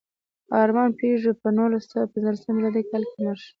ارمان پيژو په نولسسوهپینځلسم مېلادي کال کې مړ شو.